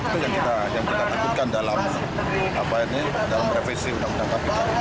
itu yang kita takutkan dalam revisi undang undang kpk